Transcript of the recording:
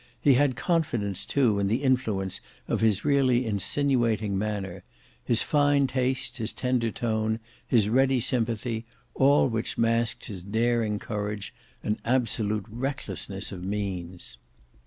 He had confidence too in the influence of his really insinuating manner; his fine taste, his tender tone, his ready sympathy, all which masked his daring courage and absolute recklessness of means.